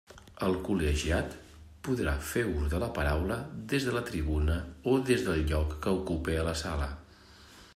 El col·legiat podrà fer ús de la paraula des de la tribuna o des del lloc que ocupe a la sala.